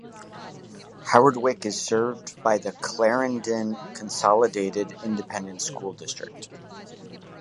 Howardwick is served by the Clarendon Consolidated Independent School District.